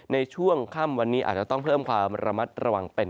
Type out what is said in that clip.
ในช่วงค่ำวันนี้อาจจะต้องเพิ่มความระมัดระวังเป็น